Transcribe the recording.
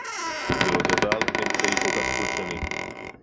זה לא דבר - אמצעי כל כך פולשני